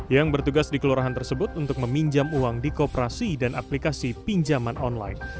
yang bertugas di kelurahan tersebut untuk meminjam uang di kooperasi dan aplikasi pinjaman online